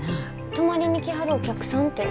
泊まりに来はるお客さんて。